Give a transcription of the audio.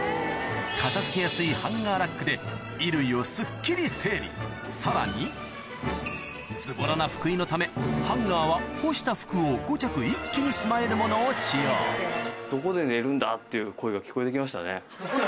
片付けやすいハンガーラックで衣類をすっきり整理さらにズボラな福井のためハンガーは干した服を５着一気にしまえるものを使用聞こえて来ましたね。